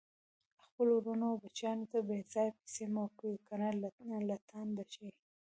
خپلو ورونو او بچیانو ته بیځایه پیسي مه ورکوئ، کنه لټان به شي